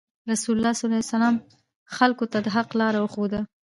رسول الله خلکو ته د حق لار وښوده.